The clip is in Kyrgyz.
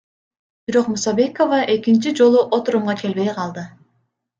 Бирок Мусабекова экинчи жолу отурумга келбей калды.